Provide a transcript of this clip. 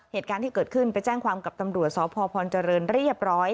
เหตุการณ์ที่เกิดขึ้นไปแจ้งความกับตำรวจสพพรเจริญเรียบร้อย